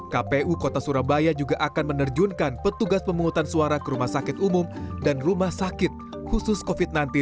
kpu kota surabaya juga akan menerjunkan petugas pemungutan suara ke rumah sakit umum dan rumah sakit khusus covid sembilan belas